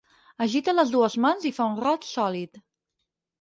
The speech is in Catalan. Agita les dues mans i fa un rot sòlid.